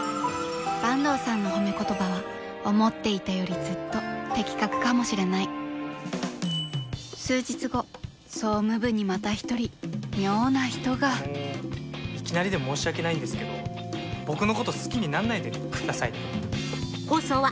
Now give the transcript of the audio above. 坂東さんの褒め言葉は思っていたよりずっと的確かもしれない数日後総務部にまた一人妙な人がいきなりで申し訳ないんですけど僕のこと好きになんないで下さいね。